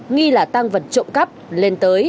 nghi là tăng vật trộm cắp lên tới